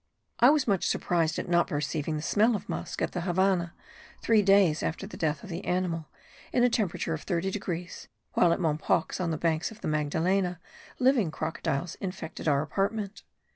I was much surprised at not perceiving the smell of musk at the Havannah, three days after the death of the animal, in a temperature of 30 degrees, while at Mompox, on the banks of the Magdalena, living crocodiles infected our apartment.